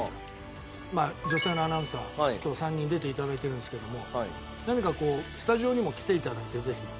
まあ女性のアナウンサー今日３人出て頂いてるんですけども何かこうスタジオにも来て頂いてぜひ。